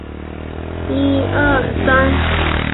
世界上最早的中等教育学校产生于文艺复兴时期的欧洲。